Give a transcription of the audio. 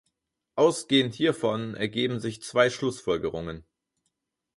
Ausgehend hiervon ergeben sich zwei Schlussfolgerungen.